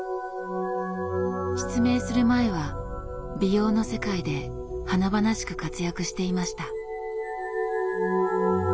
失明する前は美容の世界で華々しく活躍していました。